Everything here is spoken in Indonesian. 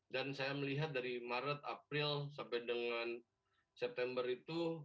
dan saya melihat dari maret april sampai dengan september itu